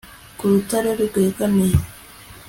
Ku rutare rwegamiye